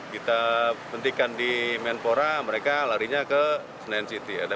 kita pentingkan di menpora mereka larinya ke senayan city